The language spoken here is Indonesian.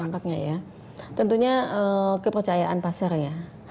dampaknya ya tentunya kepercayaan pasarnya